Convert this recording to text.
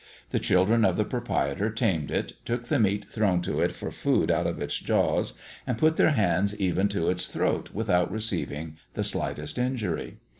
The children of the proprietor tamed it, took the meat thrown to it for food out of its jaws, and put their hands even to its throat without receiving the slightest injury.